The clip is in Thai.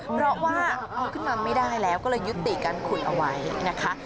เพราะว่าเอาขึ้นมาไม่ได้แล้วก็เลยยุติการขุดเอาไว้นะคะ